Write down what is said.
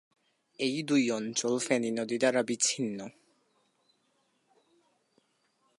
এই দুই অঞ্চল ফেনী নদী দ্বারা বিচ্ছিন্ন।